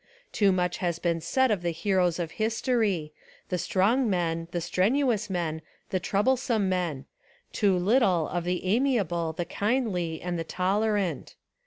Too much has been said of the heroes of history, — the strong men, the strenuous men, the troublesome men; too little of the amiable, the kindly, and the tolerant.